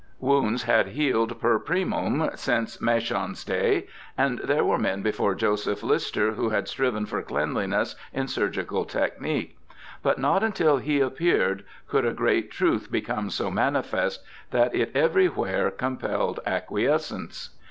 Wounds had healed per primam since Machaon's day ; and there were men before Joseph Lister who had striven for cleanliness in surgical technique ; but not until he appeared could a great truth become so manifest that it everywhere compelled acquiescence.